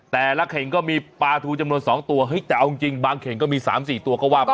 เข่งก็มีปลาทูจำนวน๒ตัวเฮ้ยแต่เอาจริงบางเข่งก็มี๓๔ตัวก็ว่าไป